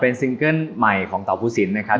เป็นซิงเกิ้ลใหม่ของเตาภูสินนะครับ